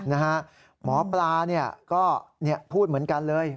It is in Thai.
หมอปลาก็พูดเหมือนกันเลย